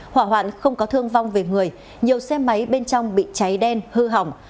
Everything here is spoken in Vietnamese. hỏa hoạn không có thương vong về người nhiều xe máy bên trong bị cháy đen hư hỏng